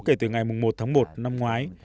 kể từ ngày một tháng một năm ngoái